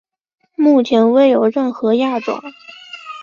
目前未有任何亚种。